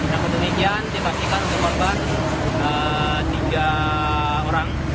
namun demikian dibaktikan korban tiga orang